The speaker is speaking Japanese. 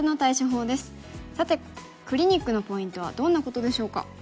さてクリニックのポイントはどんなことでしょうか？